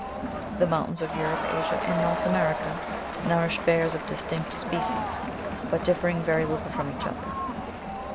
The mountains of Europe, Asia, and North America, nourish bears of distinct species, but differing very little from each other.